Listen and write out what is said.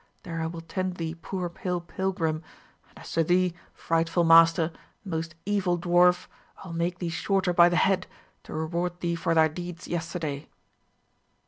There I will tend thee, poor pale pilgrim; and as to thee, frightful Master, most evil dwarf, I will make thee shorter by the head, to reward thee for thy deeds yesterday."